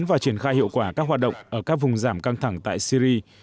và triển khai hiệu quả các hoạt động ở các vùng giảm căng thẳng tại syri